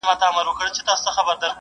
آيا د رمضان روژه نيول ميرمن جنتي کوي؟